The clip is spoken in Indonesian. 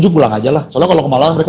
pulang aja lah soalnya kalau kemalahan mereka